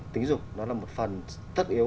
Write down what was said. tính dục nó là một phần tất yếu